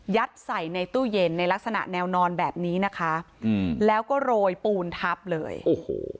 ใส่ในตู้เย็นในลักษณะแนวนอนแบบนี้นะคะอืมแล้วก็โรยปูนทับเลยโอ้โห